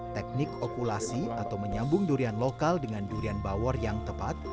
teknik okulasi atau menyambung durian lokal dengan durian bawor yang tepat